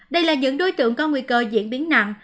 đây là những đối tượng có nguy cơ diễn biến nặng